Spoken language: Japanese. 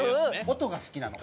音が好きなの。